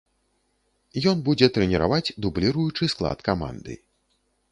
Ён будзе трэніраваць дубліруючы склад каманды.